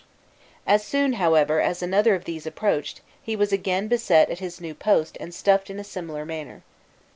As soon, however, as another of these approached, he was again beset at his new post and stuffed in a similar manner.